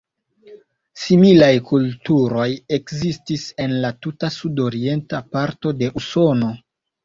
Similaj kulturoj ekzistis en la tuta sudorienta parto de Usono.